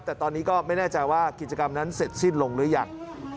แต่ตอนนี้ก็ไม่แน่ใจว่ากิจกรรมนั้นเสร็จสิ้นลงหรือยัง